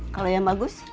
kalau yang bagus